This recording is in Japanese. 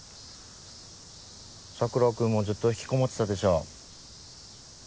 桜君もずっと引きこもってたでしょ。